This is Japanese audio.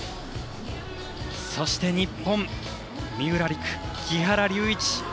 そして、日本三浦璃来、木原龍一。